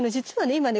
今ね